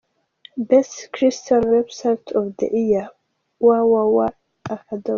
Best Christian website of the year: www.